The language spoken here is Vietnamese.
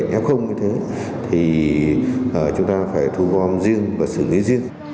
cũng như cộng đồng trong việc phân loại thu gom vận chuyển và xử lý rác thải y tế